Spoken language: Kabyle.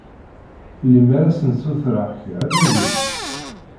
Lemmer ad sent-ssutreɣ kra ad agint?